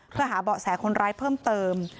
เพื่อหาเบาะแสคนร้ายเพิ่มเติม